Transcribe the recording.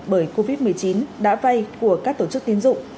bởi covid một mươi chín đã vay của các tổ chức tiến dụng